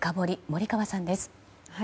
森川さんです。